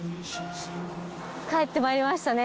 帰ってまいりましたね。